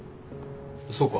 そうか。